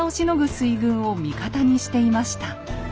水軍を味方にしていました。